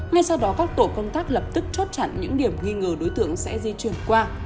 ngay sau đó các tổ công tác lập tức chốt chặn những điểm nghi ngờ đối tượng sẽ di chuyển qua